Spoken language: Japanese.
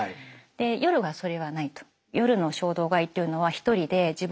夜はそれはないと。